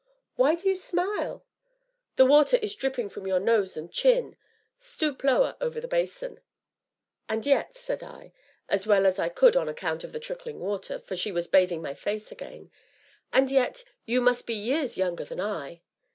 "Why do you smile?" "The water is all dripping from your nose and chin! stoop lower over the basin." "And yet," said I, as well as I could on account of the trickling water, for she was bathing my face again, "and yet, you must be years younger than I."